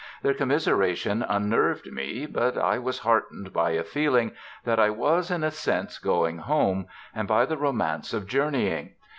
Their commiseration unnerved me, but I was heartened by a feeling that I was, in a sense, going home, and by the romance of journeying.